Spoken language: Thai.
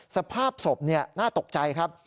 สภาพศพน่าตกใจครับ